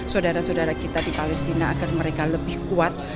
saudara saudara kita di palestina agar mereka lebih kuat